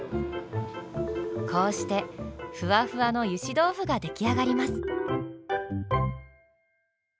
こうしてふわふわのゆし豆腐が出来上がります。